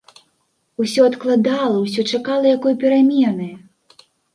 Усё адкладала, усё чакала якой перамены.